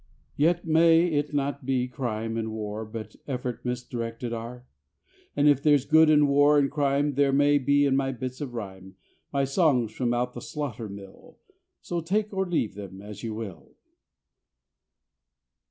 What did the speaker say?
Yet may it not be, crime and war But effort misdirected are? And if there's good in war and crime, There may be in my bits of rhyme, My songs from out the slaughter mill: So take or leave them as you will.